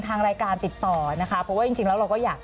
ทางรายการติดต่อนะคะเพราะว่าจริงแล้วเราก็อยาก